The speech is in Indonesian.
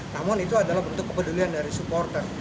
namun itu adalah bentuk kepedulian dari supporter